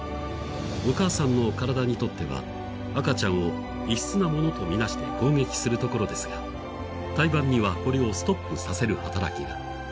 お母さんの体にとっては、赤ちゃんを異質なものとみなして攻撃するところですが、胎盤にはこれをストップさせる働きが。